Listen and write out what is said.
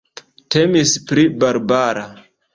Temis pri Barbara.